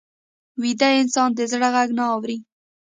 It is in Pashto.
ویده انسان د زړه غږ نه اوري